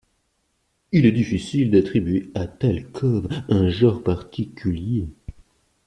Il est difficile d'attribuer à Talkov un genre particulier.